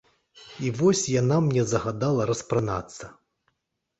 І вось яна мне загадала распранацца.